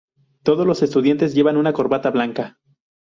Todos los estudiantes llevan una corbata blanca.